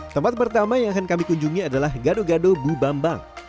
tempat pertama yang akan kami kunjungi adalah gado gado bubambang